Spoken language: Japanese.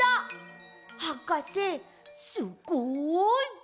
はかせすごい！